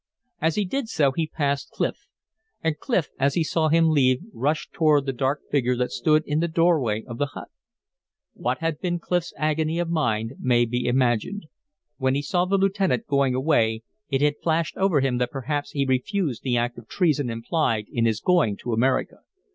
As he did so he passed Clif; and Clif, as he saw him leave rushed toward the dark figure that stood in the doorway of the hut. What had been Clif's agony of mind may be imagined. When he saw the lieutenant going away it had flashed over him that perhaps he refused the act of treason implied in his going to America.